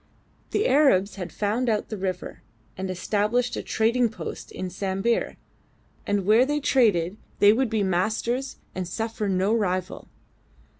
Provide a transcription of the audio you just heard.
The Arabs had found out the river, had established a trading post in Sambir, and where they traded they would be masters and suffer no rival.